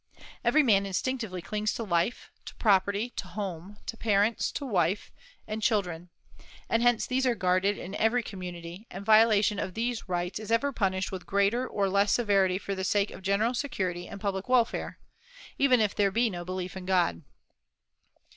Every man instinctively clings to life, to property, to home, to parents, to wife and children; and hence these are guarded in every community, and the violation of these rights is ever punished with greater or less severity for the sake of general security and public welfare, even if there be no belief in God.